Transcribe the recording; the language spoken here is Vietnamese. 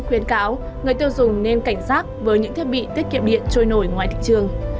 khuyến cáo người tiêu dùng nên cảnh giác với những thiết bị tiết kiệm điện trôi nổi ngoài thị trường